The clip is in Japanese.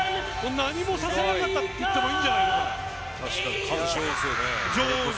何もさせなかったといってもいいんじゃないか、女王に。